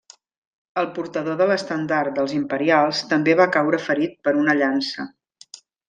El portador de l'estendard dels imperials també va caure ferit per una llança.